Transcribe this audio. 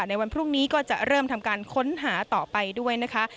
ในวันพรุ่งนี้ก็จะเริ่มทำการค้นหาต่อไปด้วยนะคะ